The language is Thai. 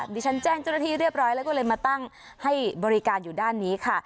แจ้งเจ้าหน้าที่เรียบร้อยแล้วก็เลยมาตั้งให้บริการอยู่ด้านนี้ค่ะ